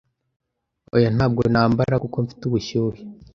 Oya ntabwo nambara kuko mfite ubushyuhe”.